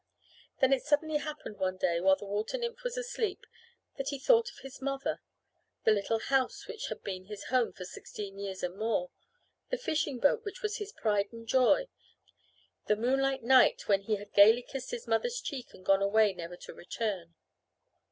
Then it suddenly happened one day while the water nymph was asleep that he thought of his mother, the little house which had been his home for sixteen years and more, the fishing boat which was his pride and joy, the moonlight night when he had gaily kissed his mother's cheek and gone away never to return.